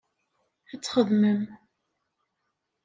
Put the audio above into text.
Ad txedmem.